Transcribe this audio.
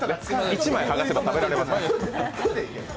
一枚剥がせば食べられますから。